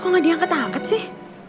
kok gak diangkat angkat sih